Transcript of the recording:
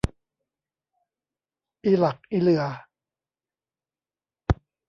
อีหลักอีเหลื่อ